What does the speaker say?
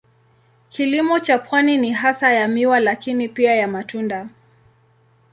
Kilimo cha pwani ni hasa ya miwa lakini pia ya matunda.